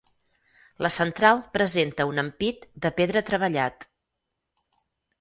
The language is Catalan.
La central presenta un ampit de pedra treballat.